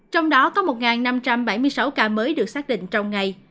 trong đó có một năm trăm bảy mươi sáu ca mới được xác định trong ngày